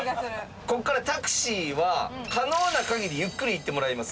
ここからタクシーは可能な限りゆっくり行ってもらいます。